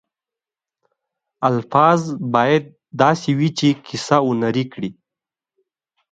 الفاظ باید داسې وي چې کیسه هنري کړي.